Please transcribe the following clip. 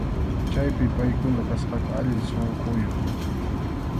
Chaypi paykuna kasqaku allin sunquyuq.